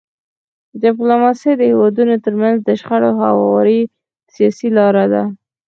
ډيپلوماسي د هیوادونو ترمنځ د شخړو د هواري سیاسي لار ده.